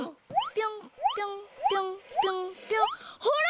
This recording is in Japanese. ぴょんぴょんぴょんぴょんぴょんほら！